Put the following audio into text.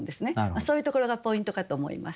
そういうところがポイントかと思います。